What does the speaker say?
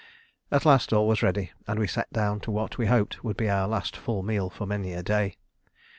At last all was ready, and we sat down to what, we hoped, would be our last full meal for many a day.